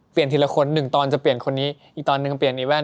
ทีละคนหนึ่งตอนจะเปลี่ยนคนนี้อีกตอนหนึ่งเปลี่ยนอีแว่น